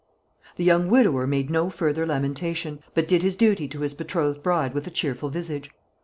The young widower made no further lamentation, but did his duty to his betrothed bride with a cheerful visage.